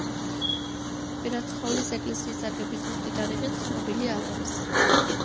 კვირაცხოვლის ეკლესიის აგების ზუსტი თარიღი ცნობილი არ არის.